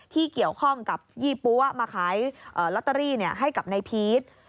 ที่เกี่ยวข้องกับยี่ปั๊วมาขายลอตเตอรี่ให้กับนายพีช